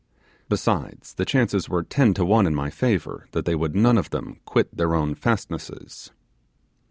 Besides, the chances were ten to one in my favour that they would none of them quit their own fastnesses.